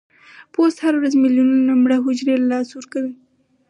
پوست هره ورځ ملیونونه مړه حجرې له لاسه ورکوي.